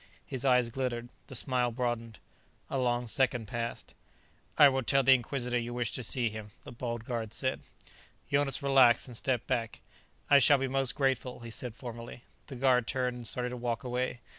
His eyes glittered. The smile broadened. A long second passed. "I will tell the Inquisitor you wish to see him," the bald guard said. Jonas relaxed and stepped back. "I shall be most grateful," he said formally. The guard turned and started to walk away.